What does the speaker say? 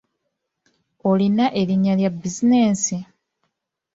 Olina erinnya lya buzinensi?